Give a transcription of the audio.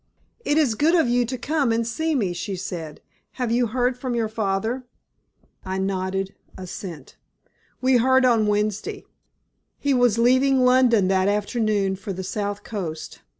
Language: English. "It is good of you to come and see me," she said. "Have you heard from your father?" I nodded assent. "We heard on Wednesday. He was leaving London that afternoon for the South Coast.